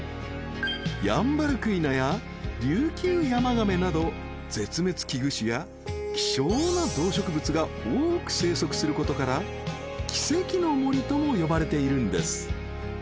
［ヤンバルクイナやリュウキュウヤマガメなど絶滅危惧種や希少な動植物が多く生息することから奇跡の森とも呼ばれているんです］